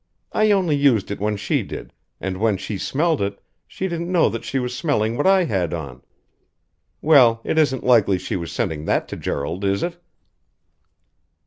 I only used it when she did and when she smelled it, she didn't know that she was smelling what I had on. Well, it isn't likely she was sending that to Gerald, is it?"